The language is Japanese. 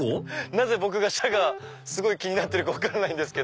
なぜ僕がシャガすごい気になってるか分かんないけど。